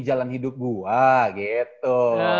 jalan hidup gue gitu